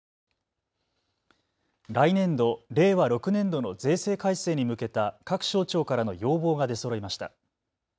来年度令和６年度の税制改正に向けた各省庁からの要望が出そろいました。